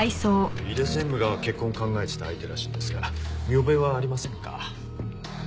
井出専務が結婚を考えてた相手らしいんですが見覚えはありませんか？